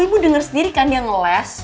ibu dengar sendiri kan dia ngeles